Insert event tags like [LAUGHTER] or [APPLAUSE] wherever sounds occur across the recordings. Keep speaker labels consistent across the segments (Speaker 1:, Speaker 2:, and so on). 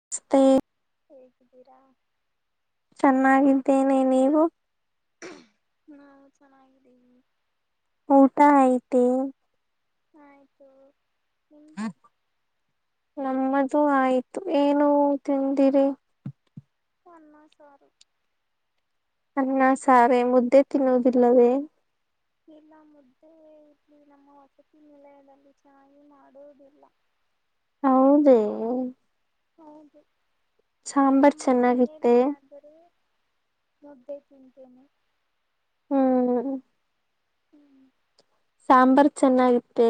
Speaker 1: [UNINTELLIGIBLE]
Speaker 2: ಹೇಗಿದ್ದೀರಾ?
Speaker 1: ಚೆನ್ನಾಗಿದ್ದೇನೆ ನೀವು
Speaker 2: ಹಾ ಚನ್ನಾಗಿದ್ದೀವಿ.
Speaker 1: ಊಟ ಐತೆ
Speaker 2: ಆಯ್ತು ನಿಮ್ಮ್ದು.
Speaker 1: ನಮ್ಮದು ಆಯ್ತು ಏನು ತಿಂದಿರಿ?
Speaker 2: ಅನ್ನ ಸಾರು
Speaker 1: ಅನ್ನ ಸಾರೆ ಮುದ್ದೆ ತಿನ್ನುವುದಿಲ್ಲವೇ
Speaker 2: ಇಲ್ಲ ಮುದ್ದೆ ಇಲ್ಲಿ ನಮ್ಮ ವಸತಿ ನಿಲಯದಲ್ಲಿ ಚೆನ್ನಾಗಿ ಮಾಡುವುದಿಲ್ಲ
Speaker 1: ಹ್ಮ.
Speaker 2: ಹೌದು.
Speaker 1: ಸಾಂಬರ್
Speaker 2: ನಮ್ಮ
Speaker 1: ಚೆನ್ನಾಗಿತ್ತೆ.
Speaker 2: ಮನೆಯಲ್ಲಿ ಆದರೂ ಮುದ್ದೆ ತಿನ್ನತೇನೆ
Speaker 1: ಹ್ಮ್ [INAUDIBLE]
Speaker 2: ಹ್ಮ್
Speaker 1: ಸಾಂಬರ್ ಚೆನ್ನಾಗಿತ್ತೆ.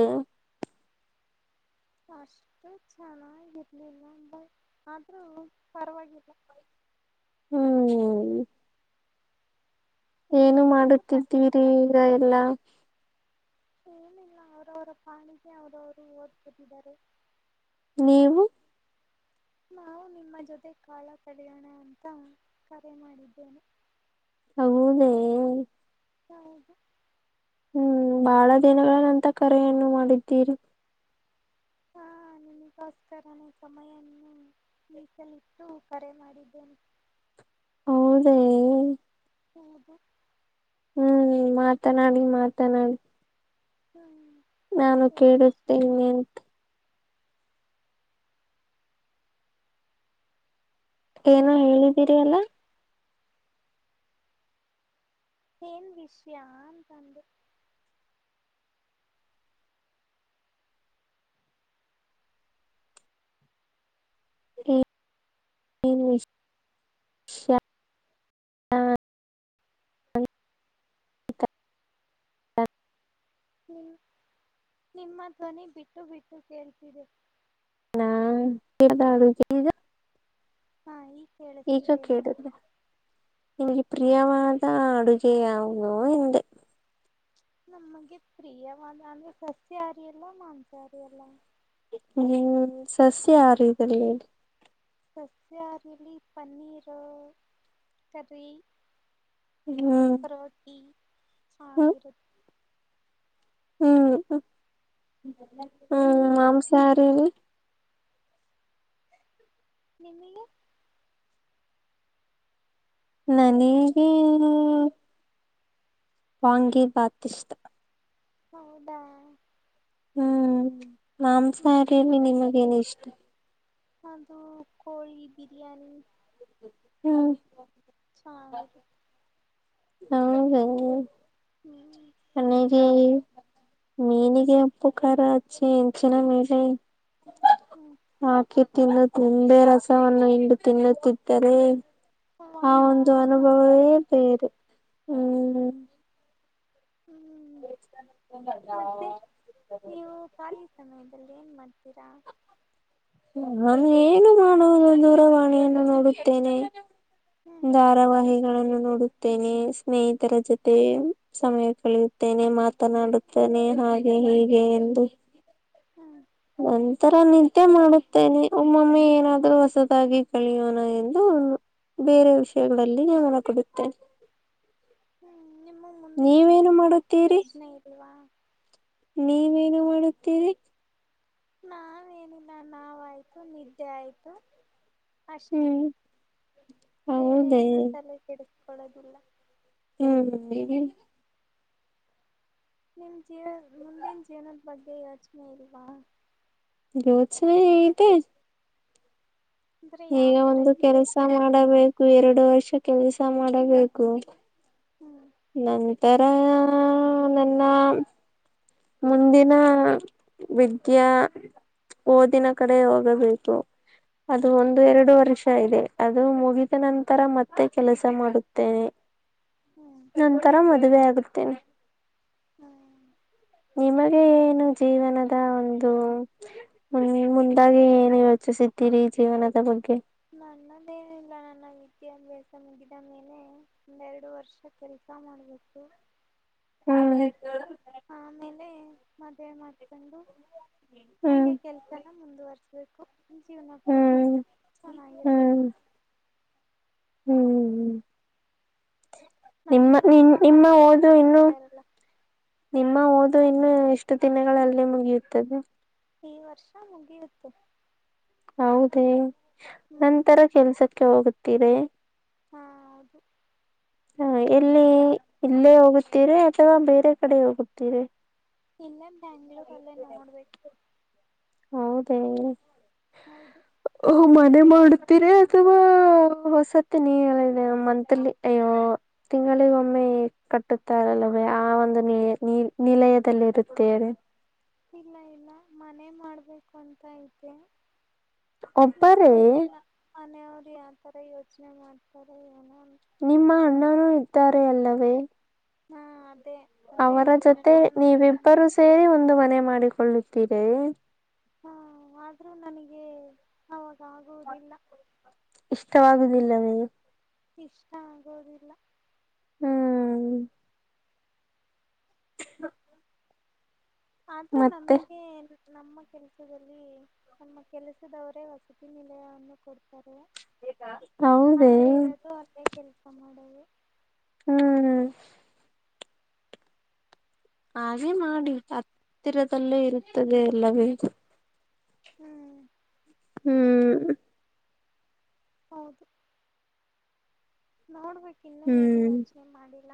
Speaker 2: ಅಷ್ಟು ಚೆನ್ನಾಗಿರ್ಲಿಲ್ಲ ಬಟ್ ಆದ್ರೂ ಪರವಾಗಿಲ್ಲ
Speaker 1: ಹ್ಮ್
Speaker 2: ನನ್ನ
Speaker 1: ಏನು
Speaker 2: ಮಟ್ಟಿಗೆ
Speaker 1: ಮಾಡುತ್ತಿದ್ದೀರಿ
Speaker 2: ಪರವಾಗಿಲ್ಲ
Speaker 1: ಈಗ ಎಲ್ಲ
Speaker 2: ಏನಿಲ್ಲ ಅವರವರ ಪಾಡಿಗೆ ಅವ್ರವರು ಓದಕೋತಿದಾರೆ
Speaker 1: ನೀವು?
Speaker 2: ನಾವು ನಿಮ್ಮ ಜೊತೆ ಕಾಲ ಕಳೆಯೋಣ ಅಂತ ಕರೆ ಮಾಡಿದ್ದೇನೆ.
Speaker 1: ಹೌದೇ
Speaker 2: ಹೌದುಾ
Speaker 1: ಹ್ಮ್ ಬಹಳ ದಿನಗಳ ನಂತ ಕರೆಯನ್ನು ಮಾಡಿದ್ದೀರಿ
Speaker 2: ಹಾ ನಿಮಿಗೋಸ್ಕರನೆ ಸಮಯವನ್ನು ಮೀಸಲಿಟ್ಟು ಕರೆ ಮಾಡಿದ್ದೇನೆ
Speaker 1: ಹೌದೇ
Speaker 2: ಹೌದು
Speaker 1: ಹ್ಮ್ ಮಾತನಾಡಿ ಮಾತನಾಡಿ
Speaker 2: ಹ್ಮ್
Speaker 1: ನಾನು
Speaker 2: ಏನ್ ವಿಷಯ
Speaker 1: ಕೇಳುತ್ತೇನೆ ಅಂತ ಏನೊ
Speaker 2: ಏನಾದ್ರೂ
Speaker 1: ಹೇಳಿದ್ದೀರಿ
Speaker 2: ಹೇಳಿ
Speaker 1: ಅಲ್ಲ
Speaker 2: ಏನ್ ವಿಷಯ ಅಂತಂದೆ
Speaker 1: ಷ [INAUDIBLE]
Speaker 2: ನೀಮ್ ನಿಮ್ಮ ಧ್ವನಿ ಬಿಟ್ಟು ಬಿಟ್ಟು ಕೇಳ್ತಿದೆ
Speaker 1: ಕದಗ [INAUDIBLE]
Speaker 2: ಹಾ ಈ ಕೇಳಿಸ್ತಿದೆ ಹೇಳಿ
Speaker 1: ನಿಮಗೆ ಪ್ರಿಯವಾದ ಅಡುಗೆ ಯಾವುದು ಎಂದೇ
Speaker 2: ನಮಗೆ ಪ್ರಿಯವಾದ ಅಂದ್ರೆ ಸಸ್ಯಹಾರಿ ಅಲ್ಲ ಮಾಂಸಾಹಾರಿ ಅಲ್ಲ
Speaker 1: ಹ್ಮ್ ಸಸ್ಯ ಯಾರ ಇದಲ್ಲಿ
Speaker 2: ಸಸ್ಯಾರಲಿ ಪನ್ನೀರು ಕರಿ
Speaker 1: ಹ್ಮ್
Speaker 2: ರೋಟಿ
Speaker 1: ಹ್ಮ್
Speaker 2: ಹಾಗಿರು
Speaker 1: ಹ್ಮ್ ಹ್ಮ್
Speaker 2: ನಿಮಗೆ
Speaker 1: ಮಾಂಸಹಾರಿಲಿ
Speaker 2: ನಿಮಿಗೆ
Speaker 1: ನನಿಗೆ ವಾಂಗಿಬಾತ್ ಇಷ್ಟ
Speaker 2: ಹೌದಾ
Speaker 1: ಹ್ಮ್
Speaker 2: ಹ್ಮ್,
Speaker 1: ಮಾಂಸಾಹಾರಿಲಿ ನಿಮಗೇನು ಇಷ್ಟ
Speaker 2: ಅದು ಕೋಳಿ ಬಿರಿಯಾನಿ
Speaker 1: ಹ್ಮ್
Speaker 2: ಚ
Speaker 1: ಹಾ ಹಾ ನನಿಗೆ ಮೀನಿಗೆ ಉಪ್ಪು ಖಾರ ಅಚ್ಚಿ ಅಂಚಿನ ಮಲೆ
Speaker 2: ಹೂವು
Speaker 1: ಹಾಕಿ ತಿನ್ನು ನಿಂಬೆ ರಸವನ್ನು ಇಂಡು ತಿನ್ನುತ್ತಿದ್ದರೆ ಆ ಒಂದು ಅನುಭವವೇ
Speaker 2: ಮತ್ತಿರುತ್ತೆ
Speaker 1: ಬೇರೆ ಹ್ಮ್ ಹ್ಮ್
Speaker 2: ಹ್ಮ್ ಮತ್ತೆ ನೀವು ಖಾಲಿ ಸಮಯದಲ್ಲಿ ಏನ್ ಮಾಡ್ತೀರಾ
Speaker 1: ನಾನು ಏನು ಮಾಡುವುದು ದೂರವಾಣಿಯನ್ನು ನೋಡುತ್ತೇನೆ
Speaker 2: ಹ್ಮ್
Speaker 1: ಧಾರಾವಹಿ ಗಳನ್ನು ನೋಡುತ್ತೇನೆ ಸ್ನೇಹಿತರ ಜೊತೆ ಸಮಯ ಕಳೆಯುತ್ತೇನೆ ಮಾತನಾಡುತ್ತನೆ ಹಾಗೆ ಹೀಗೆ ಎಂದು
Speaker 2: ಹ್ಮ
Speaker 1: ನಂತರ ನಿದ್ದೆ ಮಾಡುತ್ತೇನೆ ಒಮ್ಮೊಮ್ಮೆ ಏನಾದ್ರೂ ಹೊಸದಾಗಿ ಕಳಿಯೋಣ ಎಂದು ಬೇರೆ ವಿಷಯಗಳಲ್ಲಿ ನಾವನ ಕೊಡುತ್ತೇನೆ
Speaker 2: ಹ್ಮ್ ನಿಮ್ಮ ಮುಂದಿನ
Speaker 1: ನೀವೇನು
Speaker 2: ಜೀವನದ ಬಗ್ಗೆ
Speaker 1: ಮಾಡುತ್ತೀರಿ
Speaker 2: ಯೋಚನೆ ಇಲ್ವಾ
Speaker 1: ನೀವೇನು ಮಾಡುತ್ತೀರಿ
Speaker 2: ನಾವೇನಿಲ್ಲ ನಾವಯ್ತು ನಿದ್ದೆ ಆಯ್ತು ಅಷ್ಟೇ
Speaker 1: ಹ್ಮ್
Speaker 2: ಬೇರೆ
Speaker 1: ಹೌದೇ
Speaker 2: ಏನೋ ತಲೆ ಕೆಡ ಕೊಡದಿಲ್ಲ
Speaker 1: ಹ್ಮ್
Speaker 2: ನಿಮ್ ಜೀವ ಮುಂದಿನ ಜೀವನದ ಬಗ್ಗೆ ಯೋಚನೆ ಇಲ್ವಾ.
Speaker 1: ಯೋಚ್ನೆ ಇದೆ.
Speaker 2: ಅಂದ್ರೆ ಯಾವ
Speaker 1: ಈಗ
Speaker 2: ತರ
Speaker 1: ಒಂದು ಕೆಲ್ಸ
Speaker 2: ಇರ್ಬೇಕು ಅಂತ
Speaker 1: ಮಾಡಬೇಕು ಎರಡು ವರ್ಷಕ್ಕೆ ಕೆಲ್ಸ ಮಾಡಬೇಕು.
Speaker 2: ಹ್ಮ್
Speaker 1: ನಂದ ತರ ನಿನ್ನ ಮುಂದಿನ ವಿದ್ಯಾ ಓದಿನ ಕಡೆ ಹೋಗಬೇಕು. ಅದು
Speaker 2: ಹ್ಮ್
Speaker 1: ಒಂದು ಎರಡು ವರ್ಷ. ಇಷ್ಟ ಇದೆ ಅದು ಮುಗಿದ ನಂತರ ಮತ್ತೆ ಕೆಲಸ ಮಾಡುತ್ತೇನೆ.
Speaker 2: ಹ್ಮ್
Speaker 1: ನಂತರ ಮದುವೆ ಆಗುತ್ತೇನೆ.
Speaker 2: ಹ್ಮ್
Speaker 1: ಏನು ಜೀವನದ ಒಂದು ಮುಂದಾಗಿ ಏನು ಯೋಚಿಸಿದ್ದೀರಿ ಜೀವನದ ಬಗ್ಗೆ.
Speaker 2: ನನ್ನದೇನಿಲ್ಲ ನನ್ನ ವಿದ್ಯಾಭ್ಯಾಸ ಮುಗಿದ ಮೇಲೆ ಒಂದೆರಡು ವರ್ಷ ಕೆಲಸ ಮಾಡ್ಬೇಕು.
Speaker 1: ಹ್ಮ್
Speaker 2: ಆಮೇಲೆ ಮದ್ವೆ ಮತ್ತೊಂದು ಹಂಗೆ ಕೆಲ್ಸನ ಮುಂದವರೆಸಬೇಕು ಬೇಕು ಜೀವನ ಪೂರ್ತಿ.
Speaker 1: ಹ್ಮ್
Speaker 2: ಚೆನ್ನಾಗಿರ್ಬೇಕು
Speaker 1: ಹ್ಮ್ ಹ್ಮ್ ಹ್ಮ್
Speaker 2: ನಮ್ಮನ್ನ ಅರ್ಥ ಮಾಡ್ಕೊಳರ
Speaker 1: ಇನ್ನು
Speaker 2: ಸಿಕ್ಕತಾರಲ್ಲ
Speaker 1: ನಿಮ್ಮ ಓದು ಇನ್ನು ಎಷ್ಟು ದಿನಗಳಗಳಲ್ಲಿ ಮುಗಿಯುತ್ತದೆ.
Speaker 2: ಈ ವರ್ಷ ಮುಗಿಯತ್ತೆ.
Speaker 1: ಹೌದ ನಂತರ ಕೆಲ್ಸಕ್ಕೆ ಹೋಗುದ. ತೀರೆ
Speaker 2: ಹಾ ಹೌದು
Speaker 1: ಹಾ ಎಲ್ಲಿ- ಇಲ್ಲೇ ಹೋಗುತ್ತೀರ ಅಥವಾ ಬೇರೆ ಕಡೆ ಹೋಗುತ್ತೀರ
Speaker 2: ಇಲ್ಲ- ಬೆಂಗಳೂರು ಅಲ್ಲೇ ನೋಡ್ಬೇಕು
Speaker 1: ಹೌದ
Speaker 2: ಹೌದು
Speaker 1: ಮಾಡುತ್ತೀರಿ ಅಥವಾ ಹೊಸತಿ ನೀದಿ ಮಂತ್ಲಿ ಅಯ್ಯೋ ತಿಂಗಳಿಗ ಒಮ್ಮೆ ಕಟ್ಟುತ್ತಾರಲ್ಲ ಆ ಒಂದು ನಿಲಯದಲ್ಲಿರುತ್ತೇರಿ
Speaker 2: ಇಲ್ಲ ಇಲ್ಲ ಮನೆ ಮಾಡ್ಬೇಕು ಅಂತ ಐತೆೆ. ಇನ್ನೂ
Speaker 1: ಒಬ್ಬರೇ
Speaker 2: ಗೊತ್ತಿಲ್ಲ ಮನೆಯವ [INAUDIBLE] ಯಾವ ತರ ಯೋಚನೆ ಮಾಡ್ತಾರೆ ಏನೋ
Speaker 1: ನಿಮ್ಮ ಅಣ್ಣನೂ ಇದ್ದಾರೆ ಅಲ್ಲವೇ
Speaker 2: ಹಾ ಅದೇ
Speaker 1: ಅವರ
Speaker 2: ವಿಷ್ಯ
Speaker 1: ಜೊತೆ
Speaker 2: ನಾನು ನಮ್ಮ
Speaker 1: ನೀವಿಬ್ಬರೂ ಸೇರಿ ಒಂದು ಮನೆ ಮಾಡಿ ಕೊಳ್ಳುತ್ತೀರೇ
Speaker 2: ಹಾ ಆದ್ರೂ ನನಗೆ ಅವಾಗಾಗುವುದಿಲ್ಲ
Speaker 1: ಇಷ್ಟವಾಗುದಿಲ್ಲವೇ
Speaker 2: ಇಷ್ಟ ಆಗೋದಿಲ್ಲ
Speaker 1: ಹ್ಮ್ ಹ
Speaker 2: ಆದ್ರ ನಮಗೆ ನಮ್ಮ ಕೆಲ್ಸದಲ್ಲಿ ನಮ್ಮ ಕೆಲಸದವರೇ ವಸತಿ ನಿಲಯವನ್ನು ಕೊಡ್ತಾರೆ
Speaker 1: ಹೌದೇ
Speaker 2: ಅಲ್ಲೇ ಇರೋದು ಅಲ್ಲೇ ಕೆಲ್ಸ ಮಾಡೋದು ಹ್ಮ [INAUDIBLE]
Speaker 1: ಹ್ಮ್ ಹ್ಮ್ ಹಾಗೆ ಮಾಡಿ ಹತ್ತಿರದಲ್ಲೇ ಇರುತ್ತದೆ ಅಲ್ಲವೇ
Speaker 2: ಹ್ಮ್
Speaker 1: ಹ್ಮ್
Speaker 2: ಹೌದು ನೋಡ್ಬೇಕ ಇನ್ನು ಏನು
Speaker 1: ಹ್ಮ್
Speaker 2: ಯೋಚನೆ ಮಾಡಿಲ್ಲ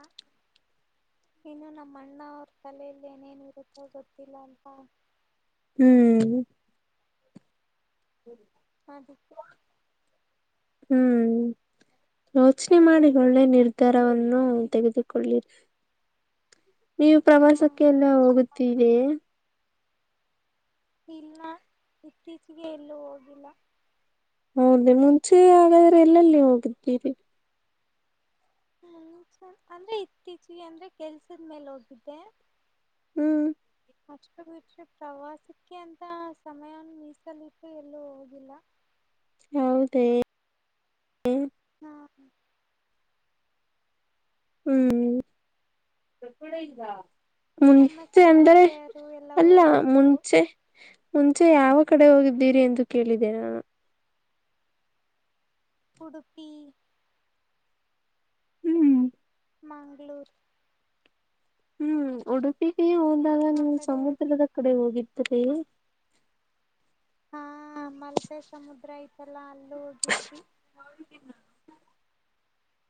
Speaker 2: ಇನ್ನು ನಮ್ಮಣ್ಣ ಅವ್ರ ತಲೆಯಲ್ಲಿ ಏನೇನು ಇರುತ್ತೋ ಗೊತ್ತಿಲ್ಲ ಅಂತ
Speaker 1: ಹ್ಮ್ ಹ್ಮ್
Speaker 2: ಅದಕ್ಕೆ
Speaker 1: ಹ್ಮ್ ಯೋಚನೆ ಮಾಡಿ ಒಳ್ಳೆ ನಿರ್ಧಾರವನ್ನು ತೆಗೆದುಕೊಳ್ಳಿರಿ [INAUDIBLE] ನೀವು
Speaker 2: ಹಾ
Speaker 1: ಪ್ರವಾಸಕ್ಕೆ ಎಲ್ಲ
Speaker 2: ಯೋಚನೆ ಮಾಡಿ
Speaker 1: ಹೋಗುತ್ತಿರೆ
Speaker 2: ಇಲ್ಲ ಇತ್ತೀಚಿಗೆ ಎಲ್ಲೂ ಹೋಗಿಲ್ಲ
Speaker 1: ಹೌದ ಮುಂಚೆ ಹಾಗಾದ್ರೆ ಎಲ್ಲಲ್ಲಿ ಹೋಗಿದ್ದೀರಿ
Speaker 2: ಹ್ಮ ಮುಂಚೆ ಅಂದ್ರೆ ಇತ್ತೀಚಿಗೆ ಅಂದ್ರೆ ಕೆಲ್ಸದ ಮೇಲೆ ಹೋಗಿದ್ದೆ
Speaker 1: ಹ್ಮ್
Speaker 2: ಅಷ್ಟ ಬಿಟ್ರೆ ಪ್ರವಾಸಕ್ಕೆ ಎಂತ ಸಮಯನ ಮೀಸಲಿಟ್ಟು ಎಲ್ಲೂ ಹೋಗಿಲ್ಲ
Speaker 1: ಹೌದೇ
Speaker 2: ಹ
Speaker 1: ಹ್ಮ್
Speaker 2: ನಮ್ಮ
Speaker 1: ಮುಂಚೆ ಅಂದರೆ
Speaker 2: ಸ್ನೇಹಿತೆಯರು ಎಲ್ಲ
Speaker 1: ಅಲ್ಲ
Speaker 2: ಹೋಗಿದ್ರು
Speaker 1: ಮುಂಚೆ ಮುಂಚೆ ಯಾವ ಕಡೆ ಹೋಗಿದ್ದೀರಿ ಎಂದು ಕೇಳಿದೆ ನಾನು
Speaker 2: ಉಡುಪಿ
Speaker 1: ಹ್ಮ್
Speaker 2: ಮಂಗಳೂರು
Speaker 1: ಹ್ಮ್ ಉಡುಪಿಗೆ ಹೋಗಿ ಗಿದಾಗ
Speaker 2: ಆ
Speaker 1: ನೀವು
Speaker 2: ಕಡೆ ಹೋಗಿದ್
Speaker 1: ಸಮುದ್ರದ ಕಡೆ ಹೋಗಿ ಹ್ಮ್
Speaker 2: ಹಾ ಹ ಮಲ್ಪೆ ಸಮುದ್ರ ಐತ ತಲ ಅಲ್ಲ ಹೋಗಿದ್ವಿ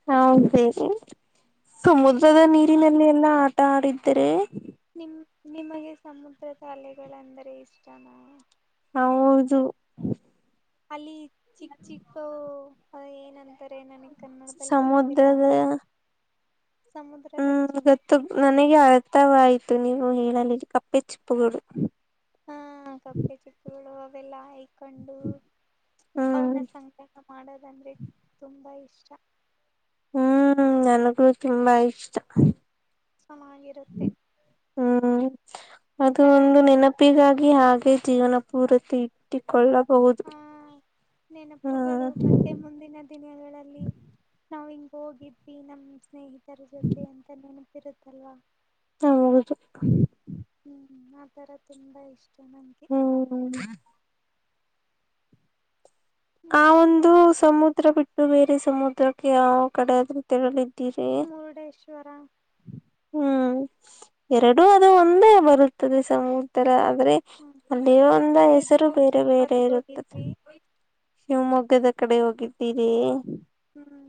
Speaker 1: ಹ ಸರಿ ಸಮುದ್ರದ ನೀರಿನಲ್ಲಿ ಎಲ್ಲಾ ಆಟ ಆಡಿದರೆ
Speaker 2: ನಿಮ ನಿಮಗೆ ಸಮುದ್ರ ತ ಅಲೆಗಳೆಂದರೆ ಇಷ್ಟನ,
Speaker 1: ಹೌದು
Speaker 2: ಅಲ್ಲಿ ಚಿಕ್ಕ ಚಿಕ್ಕ ಹ ಏನನ್ ರೆ ನನಗ್ ಕನ್ನಡದಲ್ಲಿ ಬರ್ತಿಲ್ಲ
Speaker 1: ಸಮುದ್ರದ
Speaker 2: ಸಮುದ್ರದಲ್ಲಿ
Speaker 1: ಹ್ಮ್
Speaker 2: ಚಿಕ್
Speaker 1: ಗೊತ್ತು
Speaker 2: ಸಿಗ್ತಾವಲ್ಲ
Speaker 1: ನನಗೆ ಅರ್ಥವ ಆಯ್ತು ನೀವು ಹೇಳಲ ಕ ಪಚ್ಚಿ ಪಗಡು
Speaker 2: ಹಾ ಕಪ್ಪೆ ಚಿಪ್ಪುಗಳು ವಲ್ಲಯ ಕಂಡು
Speaker 1: ಹ್ಮ್
Speaker 2: ಅವನ ಸಂತ ಮಾಡೋದಂದ್ರೆ ತುಂಬಾ ಇಷ್ಟ
Speaker 1: ಹ್ಮ್ ನನಗೂ ತುಂಬಾ ಇಷ್ಟ,
Speaker 2: ಚೆನ್ನಾಗಿರುತ್ತೆ
Speaker 1: ಹ್ಮ್ ಅದು
Speaker 2: ಒಂಥರ
Speaker 1: ಒಂದು ನೆನಪಿಗಾಗಿ ಹಾಗೆ, ಜೀವನ ಪೂರತಿ ಇಟ್ಟಿಕೊಳ್ಳ,
Speaker 2: ಹ ನೆನಪುಗಳು
Speaker 1: ಹ್ಮ್
Speaker 2: ಮತ್ತೆ ಮುಂದಿನ ದಿನಗಳಲ್ಲಿ ನಾವ ಹೋಗಿದ್ಿ ನಮ್ಮ ಸ್ನೇಹಿತ ರ ಜೊತೆ ಅಂತ ನನ ತಿರುತಲ್ಲ.
Speaker 1: ಹದು
Speaker 2: ಈ ತರ ತುಂಬಾ ಇಷ್ಟ, ಚನ್ನಗೆ
Speaker 1: ಆ
Speaker 2: ಮತ್ತೆ
Speaker 1: ಒಂದು ಸಮುದ್ರ ಬಿಟ್ಟು, ಇ ಬೇರೆ ಸಮುದ್ರಕ್ಕೆ ಯ ಕಡೆಾದ್ರ ತೆರ
Speaker 2: ಮುರುಡೇಶ್ವರ
Speaker 1: ಹ್ಮ್ ಎರಡುೂ ಅದು ಒಂದೇ ಬರುತ್ತದೆ ಸಮುದ್ರ ಅಂದ್ರೆ
Speaker 2: ಹ್ಮ್
Speaker 1: ಅಲ್ಲಿಯ
Speaker 2: ಅಷ್ಟೇ
Speaker 1: ಒಂದ
Speaker 2: ಮತ್ತೆ
Speaker 1: ಹೆಸರು
Speaker 2: ಜೋಗ್
Speaker 1: ಬೇರೆ ಬೇರೆ
Speaker 2: ಜಲಪಾತಕ್ಕೆ
Speaker 1: ಇರುತ್ತದೆ.
Speaker 2: ಹೋಗಿದ್ವಿ
Speaker 1: ಶಿವಮೊಗ್ಗದ ಕಡೆ ಹೋಗಿದ್ದೀರಿ
Speaker 2: ಹ್ಮ್,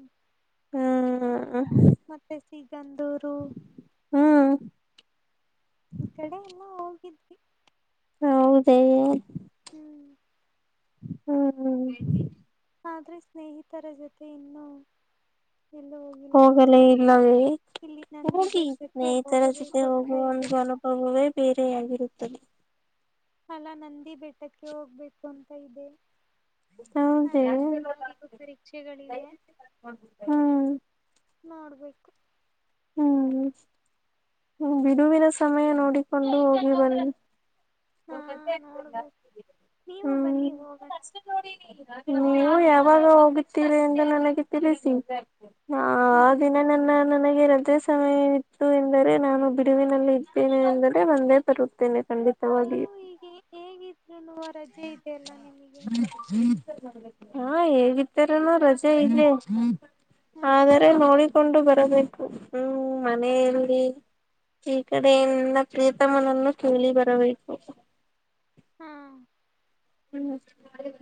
Speaker 1: ಹ್ಮ್
Speaker 2: ಮತ್ತೆ ಸಿ ತಂದೂರು
Speaker 1: ಹ್ಮ್
Speaker 2: ಈ ಕಡೆ ಎಲ್ಲ ಹೋಗಿದ್ವಿ
Speaker 1: ಹೌದೇ
Speaker 2: ಹ್ಮ್
Speaker 1: ಹ್ಮ್
Speaker 2: ಆದ್ರೆ ಸ್ನೇಹಿತರ ಜೊತೆ ಇನ್ನೂ ಎಲ್ಲೂ ಹೋಗಿಲ್ಲ
Speaker 1: ಹೋಗಲೇ ಇಲ್ಲವೇ
Speaker 2: ಇಲ್ಲಿ ನಂದಿ
Speaker 1: ಹೋಗಿ
Speaker 2: ಬೆಟ್ಟಕ್ಕೆ
Speaker 1: ಸ್ನೇಹಿತರ
Speaker 2: ಹೋಗಬೇಕು
Speaker 1: ಜೊತೆ
Speaker 2: ಅಂತ
Speaker 1: ಹೋಗುವ
Speaker 2: ಇದೆ
Speaker 1: ಒಂದು ಅನುಭವವೇ ಬೇರೆ ರೇ ಆಗಿರುತ್ತದೆ
Speaker 2: ಅಲಾ ನಂದಿ ಬೆಟ್ಟಕ್ಕೆ ಹೋಗ್ಬೇಕು ಅಂತ ಇದೆ
Speaker 1: ಹೌದೇ
Speaker 2: ಆದ್ರೆ
Speaker 1: ಹ್ಮ್
Speaker 2: ಎಲ್ಲರಿಗೂ ಪರೀಕ್ಷೆಗಳಿವೆ ನೋಡ್ಬೇಕು
Speaker 1: ಹ್ಮ್ ಬಿಡುವಿನ ಸಮಯ ನೋಡಿಕೊಂಡು ಹೋಗಿ ಬನ್ನಿ
Speaker 2: ಹಾ ನೋಡ್ಬೇಕು ನೀವು ಬನ್ನಿ
Speaker 1: ಹ್ಮ
Speaker 2: ಹೋಗೋಣ
Speaker 1: ನೀವು ಯಾವಾಗ ಹೋಗುತ್ತೀರಿ ಅಂದು ನನಗೆ ತಿಳಿಸಿ ಹಾ ಆ
Speaker 2: ಹ್ಮ್
Speaker 1: ದಿನ ನನ್ನ ನನಗೆ ರಜೆ ಸಮಯ ಇತ್ತು ಎಂದರೆ ನಾನು ಬಿಡುವಿನಲ್ಲಿ ಇದ್ದೇನೆ ಎಂದರೆ ಬಂದೇ ಬರುತ್ತೇನೆ ಖಂಡಿ
Speaker 2: ನುವ ರಜೆ ಇದೆಯ ಅಲ್ಲ
Speaker 1: ಹಾ ಹೇಗಿದ್ದರೂನೂ ರಜೆ ಇದೆ
Speaker 2: ಹ್ಮ್
Speaker 1: ಆದ್ರ ನೋ ಕೊಂಡು ಬರಬೇಕು ಹ್ಮ್ ಮನೆಯಲ್ಲಿ ಈ ಕಡೆ ಎನ್ನ ಪ್ರೀತಮನನ್ನು ಕೇಳಿ ಬರಬೇಕು
Speaker 2: ಹ್ಮ
Speaker 1: ಹ್ಮ್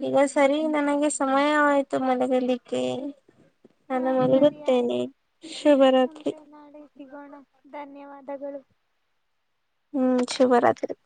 Speaker 1: ಈಗ ಸರಿ ನನಗೆ ಸಮಯ ಆಯ್ತು ಮಲಗಲಿಕ್ಕೆ
Speaker 2: ಹಾ
Speaker 1: ನಾನು
Speaker 2: ಸರಿ
Speaker 1: ಮಲಗುತ್ತೇನೆ
Speaker 2: ಆಯ್ತು
Speaker 1: ಶುಭರಾತ್ರಿ
Speaker 2: ಮುಂದೆ ನಾಳೆ ಸಿಗೋಣ ಧನ್ಯವಾದಗಳು
Speaker 1: ಹ್ಮ್ ಶುಭರಾತ್ರಿ